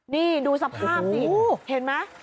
นี่ดูสภาพสิเห็นไหม